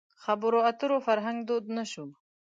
خبرو اترو فرهنګ دود نه شوی.